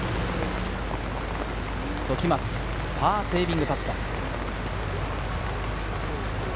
時松、パーセービングパット。